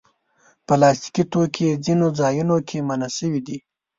پلاستيکي توکي ځینو ځایونو کې منع شوي دي.